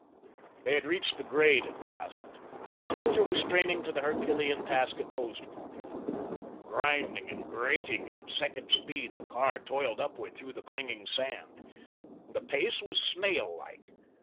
They had reached the grade at last, and the motor was straining to the Herculean task imposed upon it. Grinding and grating in second speed the car toiled upward through the clinging sand. The pace was snail like.